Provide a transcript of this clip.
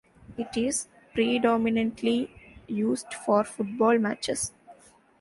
It is predominately used for football matches.